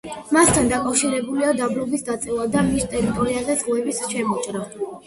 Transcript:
მასთან დაკავშირებულია დაბლობის დაწევა და მის ტერიტორიაზე ზღვების შემოჭრა.